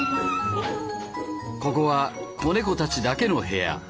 ここは子猫たちだけの部屋。